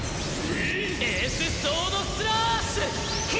エース・ソード・スラッシュ！